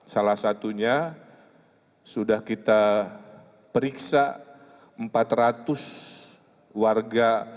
salah satunya sudah kita periksa empat ratus warga